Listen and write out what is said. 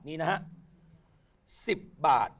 นี่นะฮะ๑๐บาท